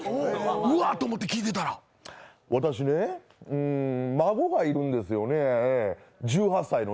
うわっと思って聞いてたら私ね、うん、孫がいるんですよね、１８歳の。